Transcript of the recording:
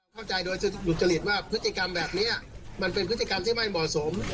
เข้าใจโดยสุจริตว่าพฤติกรรมแบบนี้มันเป็นพฤติกรรมที่ไม่เหมาะสม